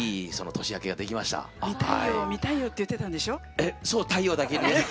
えっそう太陽だけに。